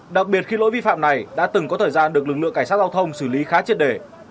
đặc biệt khi lỗi vi phạm này đã từng có thời gian được lực lượng cảnh sát giao thông xử lý khá triệt đề